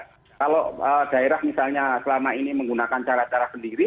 ya kalau daerah selama ini menggunakan cara cara sendiri